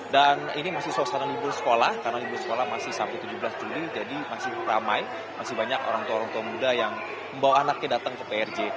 dan ini masih suasana liburan sekolah karena liburan sekolah masih sampai tujuh belas juli jadi masih ramai masih banyak orang tua orang tua muda yang membawa anaknya datang ke prj